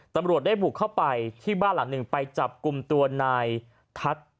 ตำรวจได้บุกเข้าไปที่บ้านหลังหนึ่งไปจับกลุ่มตัวนายทัศน์